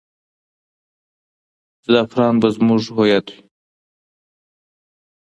زعفران به زموږ هویت وي.